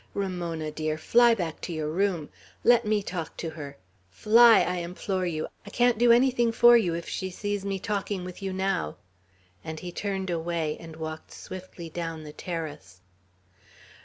Ramona, dear, fly back to your room. Let me talk to her. Fly, I implore you. I can't do anything for you if she sees me talking with you now;" and he turned away, and walked swiftly down the terrace.